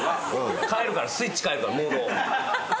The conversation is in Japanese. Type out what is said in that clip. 変えるからスイッチ変えるからモードを。